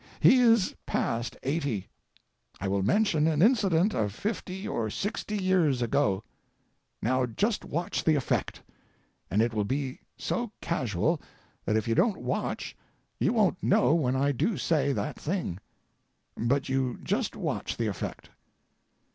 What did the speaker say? He is past eighty. I will mention an incident of fifty or sixty years ago. Now, just watch the effect, and it will be so casual that if you don't watch you won't know when I do say that thing—but you just watch the effect."